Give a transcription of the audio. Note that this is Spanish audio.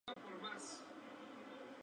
Fue ascendido a general.